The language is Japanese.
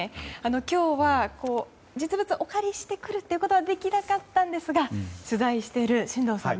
今日は、実物をお借りしてくることはできなかったんですが取材している進藤さん